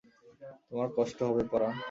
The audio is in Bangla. তোমার কষ্ট হবে পরাণ?